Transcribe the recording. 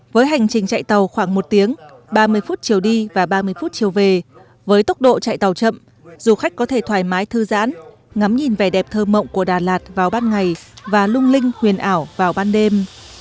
với hành trình chạy tàu khoảng một tiếng ba mươi phút chiều đi và ba mươi phút chiều về với tốc độ chạy tàu chậm du khách có thể thoải mái thư giãn ngắm nhìn vẻ đẹp thơ mộng của đà lạt vào ban ngày và lung linh huyền ảo vào ban đêm